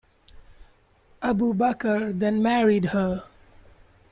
Abu Bakr then married her.